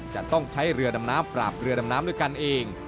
จะต้องใช้เรือดำน้ำปราบเรือดำน้ำด้วยกันเอง